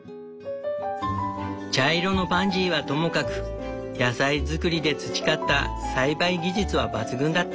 茶色のパンジーはともかく野菜作りで培った栽培技術は抜群だった。